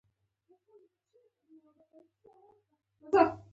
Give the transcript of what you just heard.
ما خپل ډېر وخت په هغه سوري کې په کتلو تېراوه.